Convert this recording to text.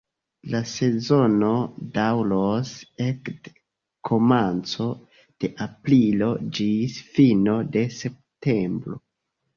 La sezono daŭras ekde komenco de aprilo ĝis fino de septembro.